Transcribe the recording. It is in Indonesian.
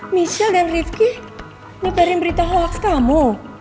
michelle dan rifki ngebarin berita hoax kamu